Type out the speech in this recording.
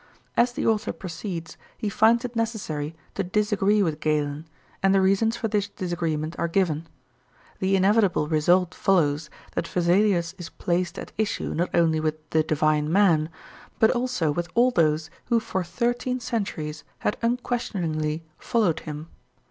As the author proceeds, he finds it necessary to disagree with Galen, and the reasons for this disagreement are given. The inevitable result follows that Vesalius is placed at issue not only with "the divine man," but also with all those who for thirteen centuries had unquestioningly followed him.